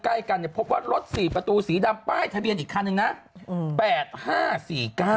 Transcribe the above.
ใกล้กันเนี่ยพบว่ารถสี่ประตูสีดำป้ายทะเบียนอีกคันหนึ่งนะ